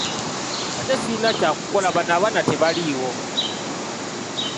Ate sirina kya kukola bano abaana tebaliwo.